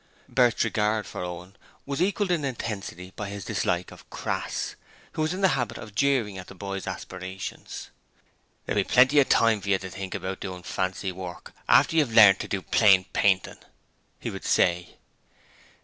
Bert's regard for Owen was equalled in intensity by his dislike of Crass, who was in the habit of jeering at the boy's aspirations. 'There'll be plenty of time for you to think about doin' fancy work after you've learnt to do plain painting,' he would say.